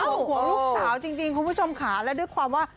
ห่วงหัวลูกสาวจริงคุณผู้ชมค่ะและด้วยความว่า